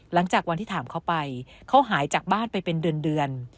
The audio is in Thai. หลังจากวันที่ถามเขาไปเขาหายจากบ้านไปเป็นเดือน